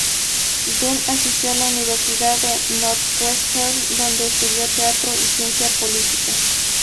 Dunn asistió a la Universidad de Northwestern, donde estudió teatro y ciencia política.